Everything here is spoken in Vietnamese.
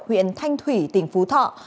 huyện thanh thủy tỉnh phú thọ